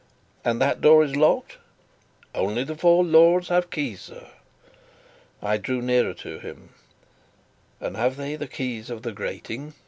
"And that door is locked?" "Only the four lords have keys, sir." I drew nearer to him. "And have they keys of the grating?"